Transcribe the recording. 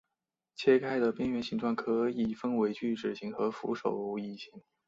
切开的边缘形状可以分为锯齿形和扶手椅形。